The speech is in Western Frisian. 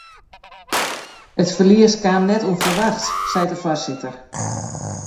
It ferlies kaam net ûnferwachts, seit de foarsitter.